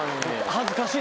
恥ずかしい。